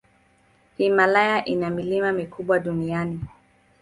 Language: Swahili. Himalaya ina milima mikubwa duniani.